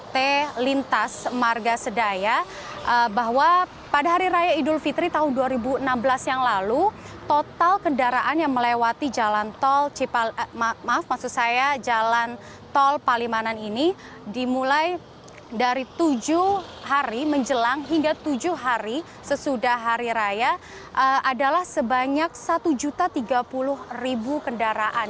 pt lintas marga sedaya bahwa pada hari raya idul fitri tahun dua ribu enam belas yang lalu total kendaraan yang melewati jalan tol palimanan ini dimulai dari tujuh hari menjelang hingga tujuh hari sesudah hari raya adalah sebanyak satu tiga puluh kendaraan